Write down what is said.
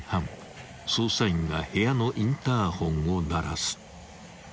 ［捜査員が部屋のインターホンを鳴らす］